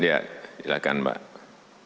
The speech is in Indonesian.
ya silakan pak